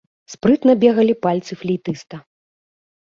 Спрытна бегалі пальцы флейтыста.